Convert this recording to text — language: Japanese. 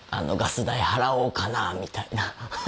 ガス代払おうかなみたいな。